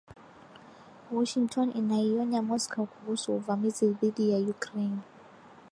Washington inaionya Moscow kuhusu uvamizi dhidi ya Ukraine